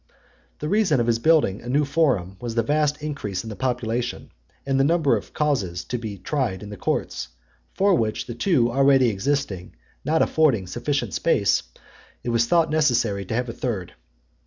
The reason of his building a new forum was the vast increase in the population, and the number of causes to be tried in the courts, for which, the two already existing not affording sufficient space, it was thought necessary to have a third.